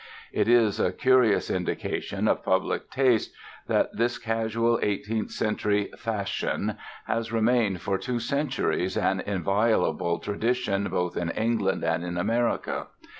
"It is a curious indication of public taste that this casual Eighteenth Century 'fashion' has remained for two centuries an inviolable tradition both in England and in America.